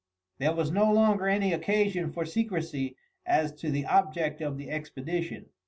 There was no longer any occasion for secrecy as to the object of the expedition.